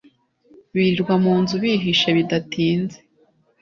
birirwa munzu bihishe bidatinze